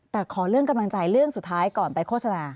แต่ขอเรื่องกำลังใจเรื่องสุดท้ายก่อนไปโฆษณา